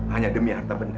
hanya demi harta benda